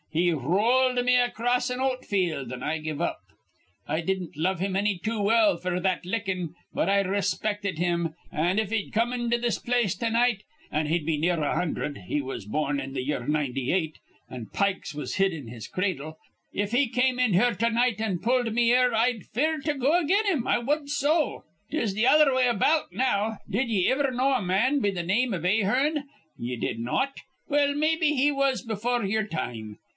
He rowled me acrost an oat field, an' I give up. I didn't love him anny too well f'r that lickin', but I respected him; an', if he'd come into this place to night, an' he'd be near a hundherd: he was born in th' year '98, an' pikes was hid in his cradle, if he come in here to night an' pulled me ear, I'd fear to go again him. I wud so. "'Tis th' other way about now. Did ye iver know a man be th' name iv Ahearn? Ye did not? Well, maybe he was befure yer time.